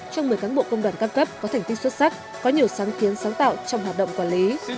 trong một mươi cán bộ công đoàn cao cấp có thành tích xuất sắc có nhiều sáng kiến sáng tạo trong hạt động quản lý